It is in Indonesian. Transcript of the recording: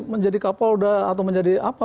menjadi kapolda atau menjadi apa